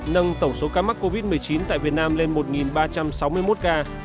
nâng tổng số ca mắc covid một mươi chín tại việt nam lên một ba trăm sáu mươi một ca